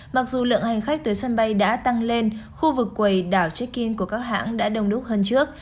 mặc dù lượng hành khách tới sân bay đã tăng lên khu vực quầy đảo chekking của các hãng đã đông đúc hơn trước